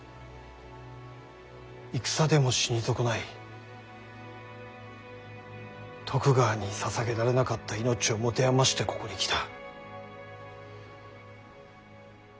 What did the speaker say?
戦でも死に損ない徳川にささげられなかった命を持て余してここに来た。